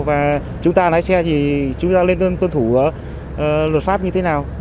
và chúng ta lái xe thì chúng ta nên tuân thủ luật pháp như thế nào